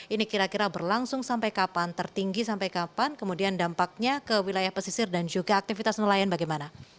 ini kira kira berlangsung sampai kapan tertinggi sampai kapan kemudian dampaknya ke wilayah pesisir dan juga aktivitas nelayan bagaimana